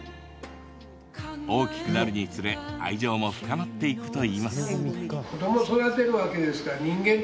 大きくなるにつれ愛情も深まっていくといいます。